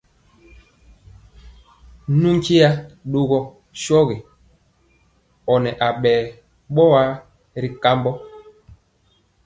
Nu nkye ɗɔgɔ sɔgi ɔ nɛ aɓɛ ɓɔyaa ri kambɔ.